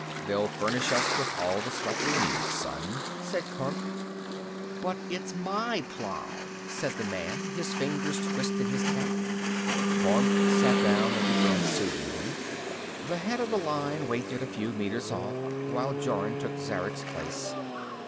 "They'll furnish us with all the stuff we need, son," said Kormt. "But it's my plow!" said the man. His fingers twisted his cap. Kormt sat down and began soothing him. The head of the line waited a few meters off while Jorun took Zarek's place.